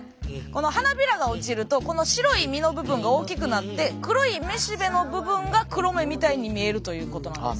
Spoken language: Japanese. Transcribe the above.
花びらが落ちるとこの白い実の部分が大きくなって黒い雌しべの部分が黒目みたいに見えるということなんですが。